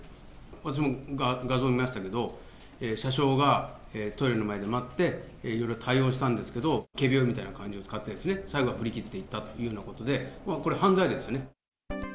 私も画像見ましたけど、車掌がトイレの前で待っていろいろ対応したんですけど、仮病みたいな感じを使ってですね、最後は振り切っていったというようなことで、これ、犯罪ですよね。